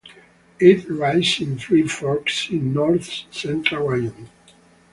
It rises in three forks in north central Wyoming.